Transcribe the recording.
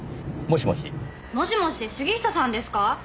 もしもし杉下さんですか？